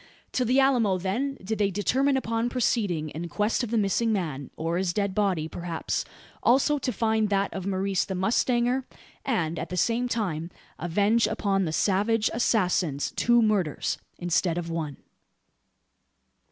To the Alamo, then, did they determine upon proceeding in quest of the missing man, or his dead body perhaps, also, to find that of Maurice the mustanger; and, at the same time, avenge upon the savage assassins two murders instead of one.